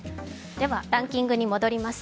ランキングに戻ります。